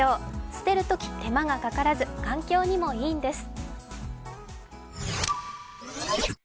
捨てるとき手間がかからず環境にもいいんです。